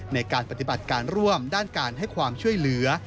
ในการปฏิบัติการร่วมด้านการให้ความช่วยเหลือ